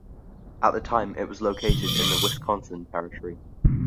At the time, it was located in the Wisconsin Territory.